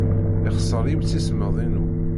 Yexṣer yimsismeḍ-inu.